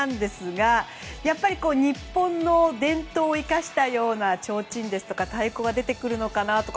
やっぱり日本の伝統を生かしたような提灯ですとか太鼓が出てくるのかなとか